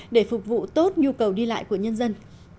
để phục vụ tốt nhu cầu đi lại của nhân dân